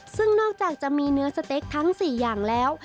ซึ่งนอกจากจะมีเนื้อสเต็กทั้ง๔อย่างแล้ว